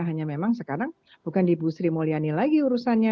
hanya memang sekarang bukan di ibu sri mulyani lagi urusannya